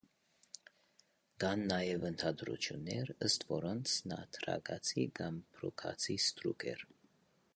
Կան նաև ենթադրություններ, ըստ որոնց, նա թրակացի կամ փռուգացի ստրուկ էր։